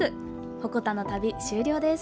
鉾田の旅、終了です。